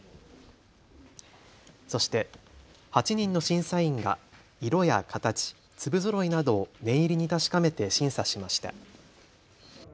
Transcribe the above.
そして８人の審査員が色や形、粒ぞろいなどを念入りに確かめて審査しました。